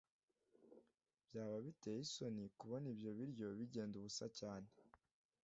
Byaba biteye isoni kubona ibyo biryo bigenda ubusa cyane